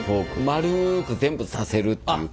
丸く全部刺せるっていう。